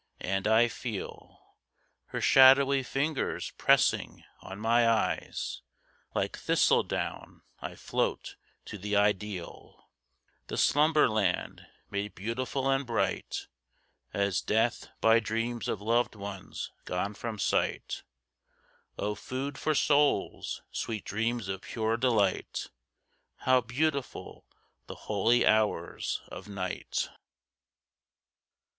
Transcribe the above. And I feel Her shadowy fingers pressing on my eyes: Like thistledown I float to the Ideal— The Slumberland, made beautiful and bright As death, by dreams of loved ones gone from sight, O food for souls, sweet dreams of pure delight, How beautiful the holy hours of Night!